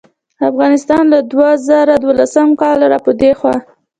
افغانستان له دوه زره دولسم کال راپه دې خوا